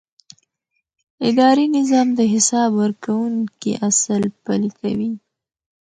اداري نظام د حساب ورکونې اصل پلي کوي.